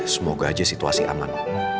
semoga aja situasi aman